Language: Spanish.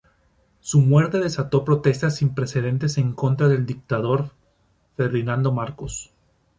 Su muerte desató protestas sin precedentes en contra del dictador Ferdinando Marcos.